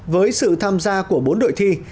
với sự tham gia của bốn đội thi